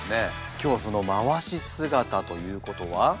今日はそのまわし姿ということは。